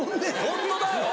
ホントだよ。